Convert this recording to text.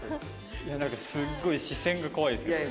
なんかすっごい視線が怖いですけど。